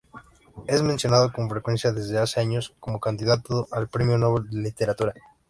Es mencionado con frecuencia desde hace años como candidato al Premio Nobel de Literatura.